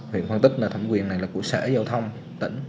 huyện phân tích là thẩm quyền này là của sở giao thông tỉnh